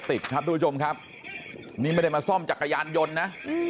ติดครับทุกผู้ชมครับนี่ไม่ได้มาซ่อมจักรยานยนต์นะ